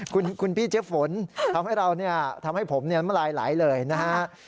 คุณคุณพี่เจ๊ฝนทำให้เราเนี่ยทำให้ผมเนี่ยมาหลายหลายเลยนะฮะ